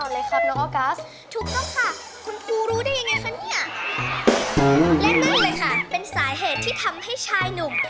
และนั่นเลยค่ะเป็นสาเหตุที่ทำให้ชายหนุ่ม